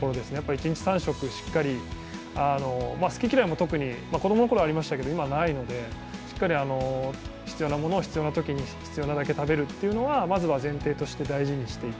一日３食、好き嫌いも特に、子供の頃はありましたけど、今はないので、しっかり必要なものを必要なときに必要なだけ食べるっていうのはまず前提として大事にしていて。